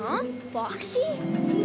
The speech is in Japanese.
ボクシー？